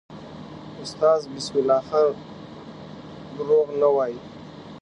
استاد بسم الله خان دروغ نه وایي.